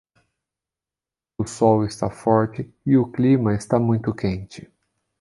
O sol está forte e o clima está muito quente